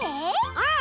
うん！